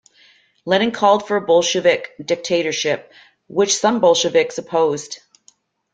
Lenin called for a Bolshevik dictatorship, which some Bolsheviks opposed.